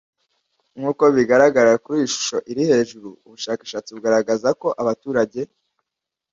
Nk uko bigaragara kuri iyi shusho iri hejuru ubushakashatsi buragaragaza ko abaturage